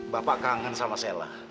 bapak kangen sama sela